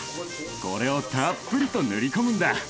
これをたっぷりと塗り込むんだ。